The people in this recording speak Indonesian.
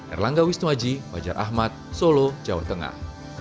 erlangga wisnuaji fajar ahmad solo jawa tengah